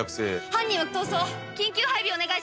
犯人は逃走緊急配備お願いします。